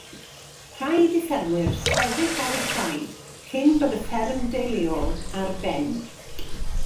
Rhaid i ffermwyr sefyll ar eu traed cyn bod y fferm deuluol ar ben.